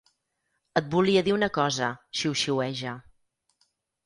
Et volia dir una cosa —xiuxiueja—.